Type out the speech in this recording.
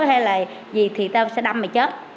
hay là gì thì tao sẽ đâm mày chết